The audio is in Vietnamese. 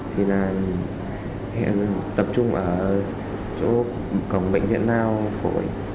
thì là tập trung ở chỗ cổng bệnh viện nào phủ yên